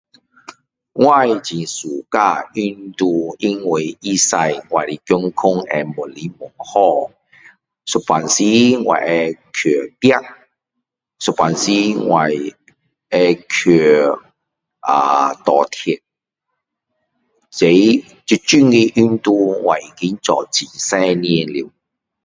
我很喜欢运动因为他使我的健康会越来越好有时候我会去跑有时候我会去啊拿铁所以这种的运动我已经做很多年了